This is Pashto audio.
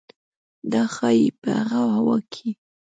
دا ښايي په هغه هوا کې